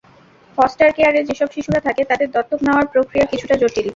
Foster কেয়ারে যেসব শিশুরা থাকে, তাঁদের দত্তক নেওয়ার প্রক্রিয়া কিছুটা জটিল।